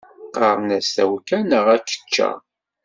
Qqaren-as tawekka neɣ akečča.